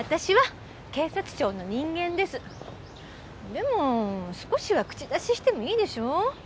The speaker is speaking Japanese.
でも少しは口出ししてもいいでしょう？